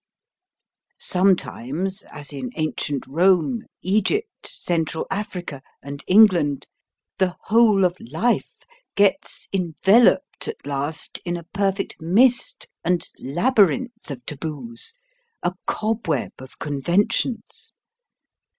Sometimes, as in ancient Rome, Egypt, Central Africa, and England, the whole of life gets enveloped at last in a perfect mist and labyrinth of taboos, a cobweb of conventions.